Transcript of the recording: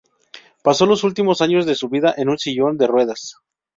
Pasó los últimos años de su vida en un sillón de ruedas.